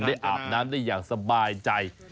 อาบน้ำได้อย่างสบายใจ